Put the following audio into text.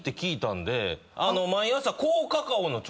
毎朝。